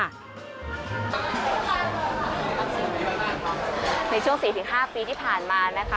ในช่วง๔๕ปีที่ผ่านมานะคะ